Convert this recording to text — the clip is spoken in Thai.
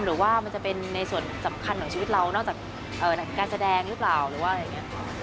หรือว่ามันจะเป็นในส่วนสำคัญของชีวิตเรานอกจากการแสดงหรือเปล่าหรือว่าอะไรอย่างนี้